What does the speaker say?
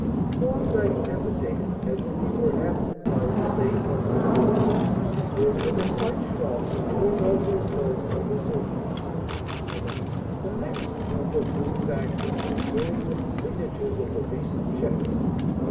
Thorndyke hesitated as if he were half inclined to say something more; then, with a slight shrug, he turned over his notes and resumed: "The next group of new facts is concerned with the signatures of the recent cheques.